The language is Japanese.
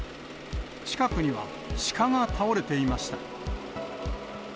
近くには、シカが倒れていました。